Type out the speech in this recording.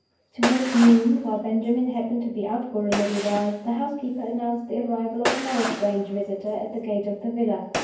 Toward noon (while Benjamin happened to be out for a little while) the housekeeper announced the arrival of another strange visitor at the gate of the villa.